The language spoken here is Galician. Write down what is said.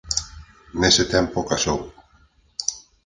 Nese tempo casou.